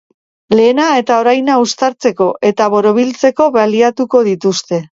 Lehena eta oraina uztartzeko eta borobiltzeko baliatuko dituzte.